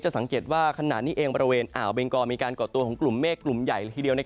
สังเกตว่าขณะนี้เองบริเวณอ่าวเบงกอมีการก่อตัวของกลุ่มเมฆกลุ่มใหญ่ละทีเดียว